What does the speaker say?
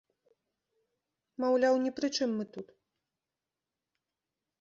Маўляў, ні пры чым мы тут.